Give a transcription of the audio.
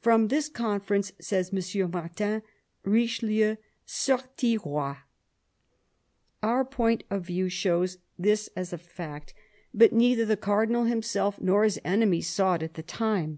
From this conference, says M. Martin, " Richelieu sortit roi" Our point of view shows this as a fact ; but neither 196 CARDINAL DE RICHELIEU the Cardinal himself nor his enemies saw it at the time.